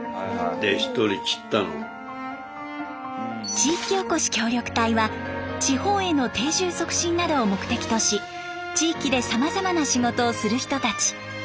地域おこし協力隊は地方への定住促進などを目的とし地域でさまざまな仕事をする人たち。